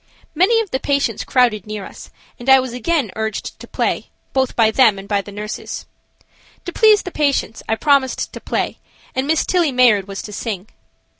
Many of the patients crowded near us, and I was again urged to play, both by them and by the nurses. To please the patients I promised to play and Miss Tillie Mayard was to sing.